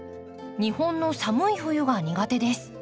日本の寒い冬が苦手です。